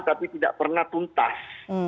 tapi tidak pernah tuntas